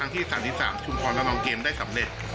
ที่๓๓ชุมพรระนองเกมได้สำเร็จ